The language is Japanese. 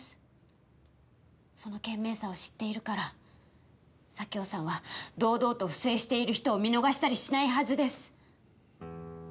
その懸命さを知っているから佐京さんは堂々と不正している人を見逃したりしないはずです